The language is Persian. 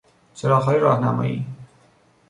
چراغهای راهنمایی